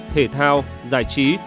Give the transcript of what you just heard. thể thao giải trí